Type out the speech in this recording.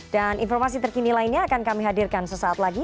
dan informasi terkini lainnya akan kami hadirkan sesaat lagi